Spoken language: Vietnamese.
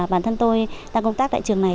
bản thân tôi đang công tác tại trường này